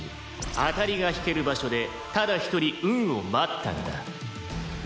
「当たりが引ける場所でただ一人運を待ったんだ」